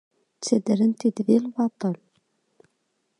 Ttadren-t-id di lbaṭel.